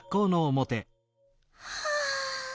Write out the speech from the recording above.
はあ。